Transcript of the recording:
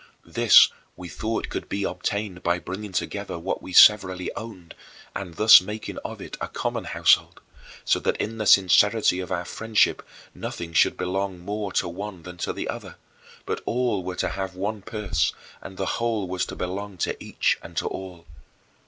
This we thought could be obtained by bringing together what we severally owned and thus making of it a common household, so that in the sincerity of our friendship nothing should belong more to one than to the other; but all were to have one purse and the whole was to belong to each and to all.